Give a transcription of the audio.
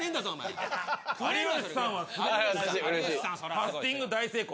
パッティング大成功。